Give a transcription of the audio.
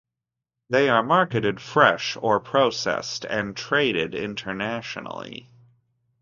They are marketed fresh or processed and traded internationally.